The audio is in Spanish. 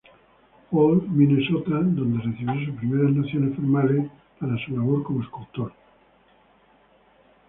Paul, Minnesota, donde recibió sus primeras nociones formales para su labor como escultor.